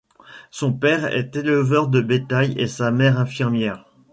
Son père est éleveur de bétail et sa mère infirmière.